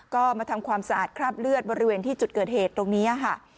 ก็มาทำความสะอาดคราบเลือดบริเวณที่จุดเกิดเหตุตรงนี้ค่ะ